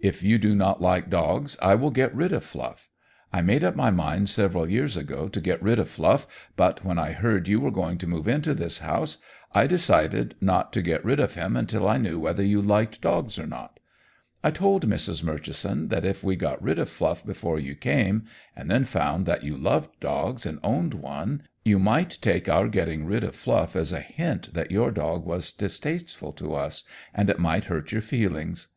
If you do not like dogs, I will get rid of Fluff. I made up my mind several years ago to get rid of Fluff, but when I heard you were going to move into this house, I decided not to get rid of him until I knew whether you liked dogs or not. I told Mrs. Murchison that if we got rid of Fluff before you came, and then found that you loved dogs and owned one, you might take our getting rid of Fluff as a hint that your dog was distasteful to us, and it might hurt your feelings.